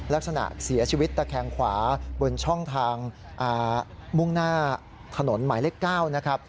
ลักษณะเสียชีวิตตะแคงขวาบนช่องทางมุ่งหน้าถนนหมายเลข๙นะครับ